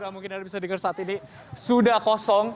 mungkin anda bisa dengar saat ini sudah kosong